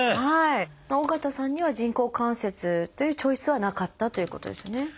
緒方さんには人工関節というチョイスはなかったということですよね。